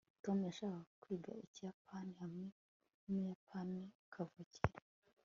tom yashakaga kwiga ikiyapani hamwe n'umuyapani kavukire